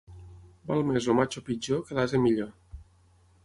Val més el matxo pitjor que l'ase millor.